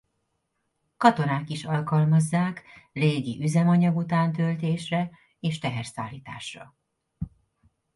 Katonák is alkalmazzák légi üzemanyag-utántöltésre és teherszállításra.